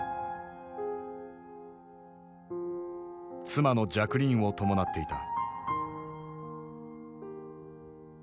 妻のジャクリーンを伴っていた。